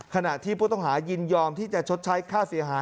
ขณะที่ผู้ต้องหายินยอมที่จะชดใช้ค่าเสียหาย